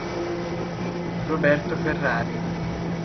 Roberto Ferrari